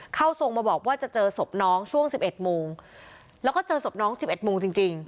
เข้าทรงมาบอกว่าจะเจอศพน้องช่วงสิบเอ็ดมูลแล้วก็เจอศพน้องสิบเอ็ดมูลจริงจริง